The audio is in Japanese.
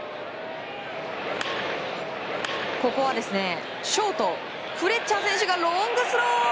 ここは、ショートフレッチャー選手がロングスロー！